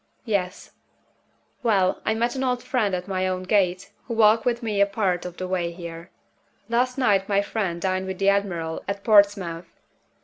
"Yes." "Well, I met an old friend at my own gate, who walked with me a part of the way here. Last night my friend dined with the admiral at Portsmouth.